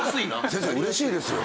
先生嬉しいですよ。